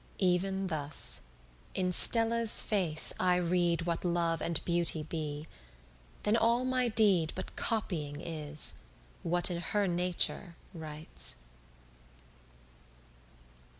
Even thus: in Stella's face I read What love and beauty be, then all my deed But copying is, what in her Nature writes.